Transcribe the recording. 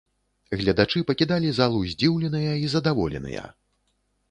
Гледачы пакідалі залу здзіўленыя і задаволеныя.